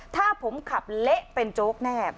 ถ้าผมขับเละเป็นโจ๊กแน่